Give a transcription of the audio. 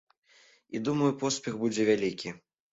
І, думаю, поспех будзе вялікі.